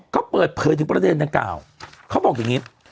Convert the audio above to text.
ก็เปิดเผยถึงประเด็นดังกล่าวเขาบอกอย่างนี้